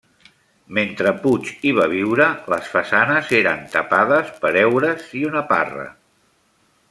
Mentre Puig hi va viure les façanes eren tapades per heures i una parra.